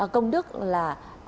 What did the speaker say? công đức là